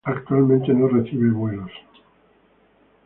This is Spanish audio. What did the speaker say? Actualmente no recibe vuelos.